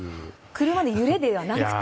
車の揺れではなくて。